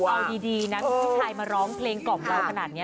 เอาดีนะคุณผู้ชายมาร้องเพลงกล่อมเราขนาดนี้